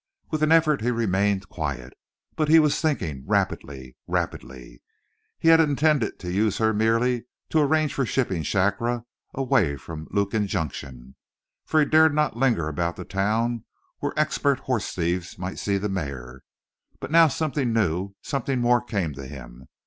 With an effort he remained quiet. But he was thinking rapidly rapidly. He had intended to use her merely to arrange for shipping Shakra away from Lukin Junction. For he dared not linger about the town where expert horse thieves might see the mare. But now something new, something more came to him.